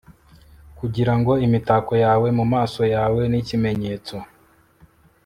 Kugira ngo imitako yawe mumaso yawe nikimenyetso